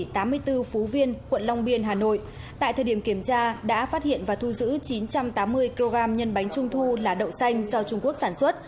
thời điểm kiểm tra đã phát hiện và thu giữ chín trăm tám mươi kg nhân bánh trung thu là đậu xanh do trung quốc sản xuất